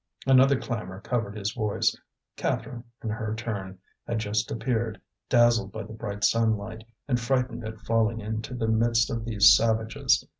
Another clamour covered his voice. Catherine, in her turn, had just appeared, dazzled by the bright sunlight, and frightened at falling into the midst of these savages.